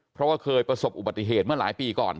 เพราะว่าเคยประสบอุบัติเหตุเมื่อหลายปีก่อน